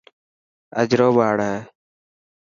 اجرو ٻاڙ هي.